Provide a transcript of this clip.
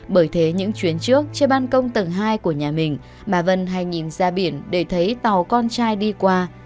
bởi thế những chuyến trước trên ban công tầng hai của nhà mình bà vân hay nhìn ra biển để thấy tàu con trai đi qua